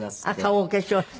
顔お化粧して。